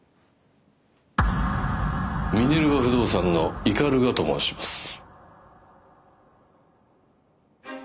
ミネルヴァ不動産の鵤と申します。